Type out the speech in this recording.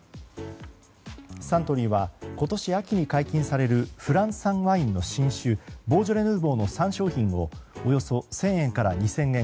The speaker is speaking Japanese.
サントリーは今年秋に解禁されるフランス産ワインの新酒ボージョレ・ヌーボーの３商品をおよそ１０００円から２０００円